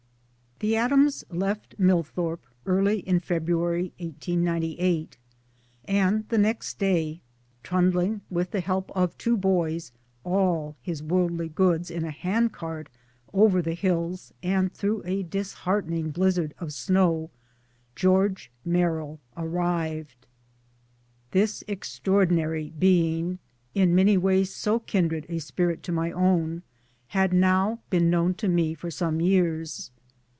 The Adams* left Millthorpe early in February '98 ; and the next day trundling with the help of two boys all his worldly goods in a handcart over the hills, and through a disheartening, blizzard of snow George Merrill arrived. This extraordinary being, in many ways so kindred a spirit to my own, had now been known to me for some years.